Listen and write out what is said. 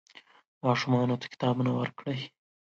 ماشومانو ته کتابونه ورکړئ.